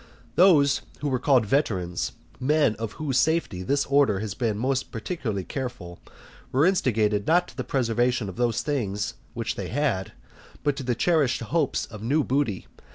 Those who were called Veterans, men of whose safety this order had been most particularly careful, were instigated not to the preservation of those things which they had, but to cherish hopes of new booty.